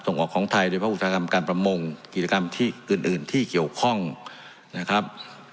ส่งออกของไทยโดยภาคอุตสาหกรรมการประมงกิจกรรมที่อื่นอื่นที่เกี่ยวข้องนะครับ